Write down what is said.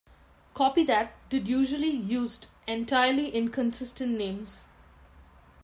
Copy that did usually used entirely inconsistent names.